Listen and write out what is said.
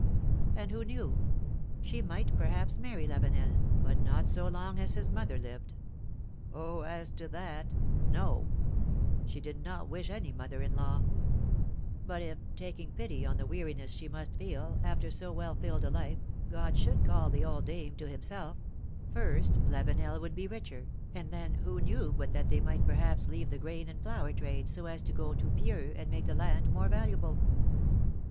And who knew? She might, perhaps, marry Lavenel, but not so long as his mother lived ; oh ! as to that, no ! She did not wish any mother in law ! But if, taking pity on the weariness she must feel, after so well filled a life, God should call the old dame to Himself — first, Lavenel would be richer, and then who knew but that they might perhaps leave the grain and flour trade, so as to go to Pieux, and make the land more valuable?